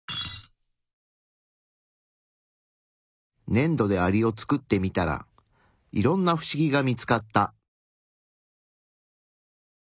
ねんどでアリを作ってみたらいろんなフシギが見つかった。